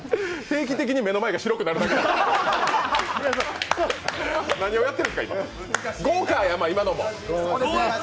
定期的に目の前が白くなるだけやから。